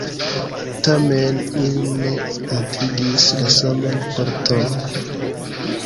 Tamen, ili ne atingis la saman forton.